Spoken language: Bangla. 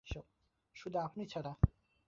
শুধু আপনি ছাড়া।